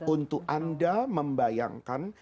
untuk anda membayangkan